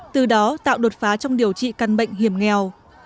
từ đó tạo đột phá trong điều trị căn bệnh hiểm nghèo